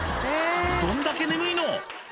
どんだけ眠いの？